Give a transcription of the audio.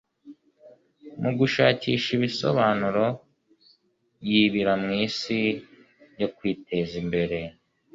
Mugushakisha ibisobanuro, yibira mwisi yo kwiteza imbere,